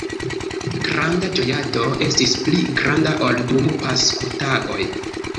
Granda ĝojado estis, pli granda ol dum Paskotagoj.